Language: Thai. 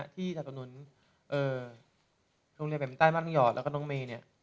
ที่สนุนโรงเรียนใบบินใต้มาตรงหยอดและน้องเม